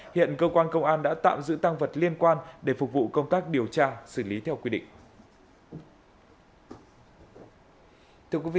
hiện cơ quan công an đã tạm giữ tăng vật liên quan để phục vụ công tác điều tra xử lý theo quy định